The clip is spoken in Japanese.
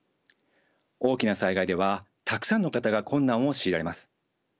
大きな災害ではたくさんの方が困難を強いられます。